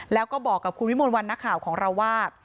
แล้วก็บอกกับคุณวิมวลวันนักข่าวของเราว่า